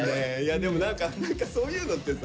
でも何かそういうのってさ。